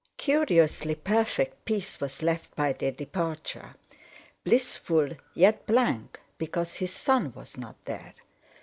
Curiously perfect peace was left by their departure; blissful, yet blank, because his son was not there.